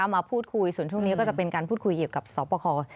มาพูดคุยส่วนช่วงนี้ก็จะเป็นการพูดคุยเกี่ยวกับสอบประคอ